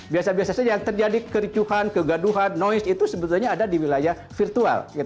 biasa biasa saja yang terjadi kericuhan kegaduhan noise itu sebetulnya ada di wilayah virtual